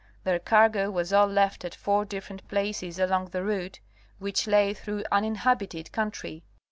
Their cargo was all left at four different places along the route, which lay through uninhabited country.